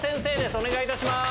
お願いいたします。